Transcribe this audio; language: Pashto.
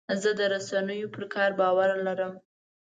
زه د رسنیو پر کار باور لرم.